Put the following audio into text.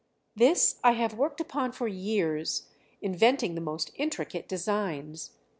"This I have worked upon for years, inventing the most intricate designs.